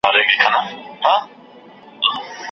عبدالباري جهاني: څرنګه شعر ولیکو؟